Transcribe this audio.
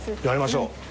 やりましょう。